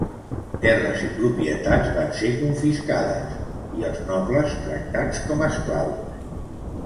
Terres i propietats van ser confiscades i els nobles tractats com esclaus.